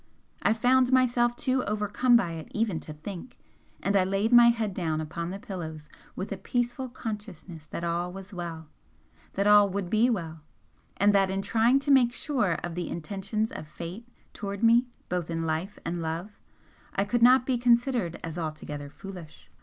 I found myself too overcome by it even to think, and I laid my head down upon the pillows with a peaceful consciousness that all was well, that all would be well and that in trying to make sure of the intentions of Fate towards me both in life and love, I could not be considered as altogether foolish.